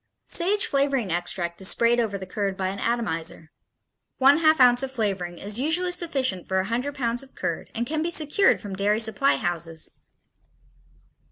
Sage flavoring extract is sprayed over the curd by an atomizer. One half ounce of flavoring is usually sufficient for a hundred pounds of curd and can be secured from dairy supply houses.